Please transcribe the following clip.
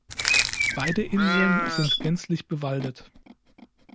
Beide Inseln sind gänzlich bewaldet.